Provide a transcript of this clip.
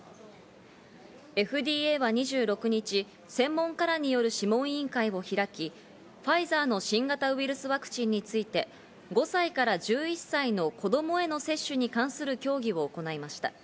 ＦＤＡは２６日、専門家らによる諮問委員会を開き、ファイザーの新型ウイルスワクチンについて、５歳から１１歳の子供への接種に関する協議を行いました。